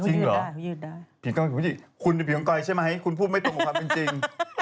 คุณเป็นผิดของก้อยใช่ไหมคุณพูดไม่ตรงกับความจริง